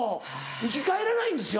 生き返らないんですよ。